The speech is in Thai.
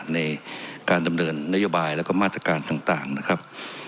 ในการดำเนินนโยบายแล้วก็มาตรการต่างนะครับ